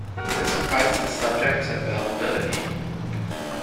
This price is subject to availability.